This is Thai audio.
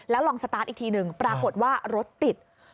ลองสตาร์ทอีกทีหนึ่งปรากฏว่ารถติด